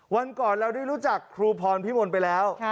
วันก่อนเราได้รู้จักครูพรพิมลไปแล้ว